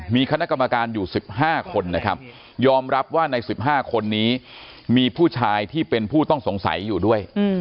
มีคณะกรรมการอยู่๑๕คนนะครับยอมรับว่าใน๑๕คนนี้มีผู้ชายที่เป็นผู้ต้องสงสัยอยู่ด้วย